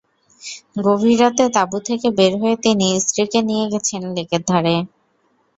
গভীর রাতে তাঁবু থেকে বের হয়ে তিনি স্ত্রীকে নিয়ে গেছেন লেকের ধারে।